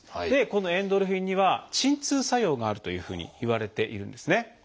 でこのエンドルフィンには鎮痛作用があるというふうにいわれているんですね。